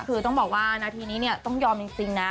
คือต้องบอกว่านาทีนี้เนี่ยต้องยอมจริงนะ